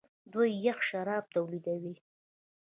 دوی یخ شراب تولیدوي.